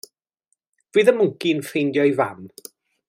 Fydd y mwnci'n ffeindio'i fam?